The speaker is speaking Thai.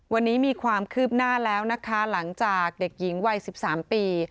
วันนี้มีความคืบหน้าแล้วนะคะหลังจากเด็กหญิงวัย๑๓ปี